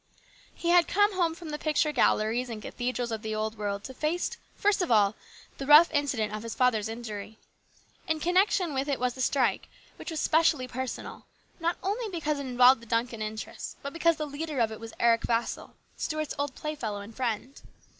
He had come home from the picture galleries and 24 HIS BROTHER'S KEEPER. cathedrals of the Old World to face, first of all, this rough incident of his father's injury. In connection with it was the strike, which was specially personal, not only because it involved the Duncan interests, but because the leader of it was Eric Vassall, Stuart's old playfellow and friend.